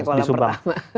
tadi yang disubangkan